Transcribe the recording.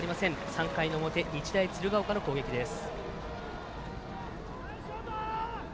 ３回の表日大鶴ヶ丘の攻撃です。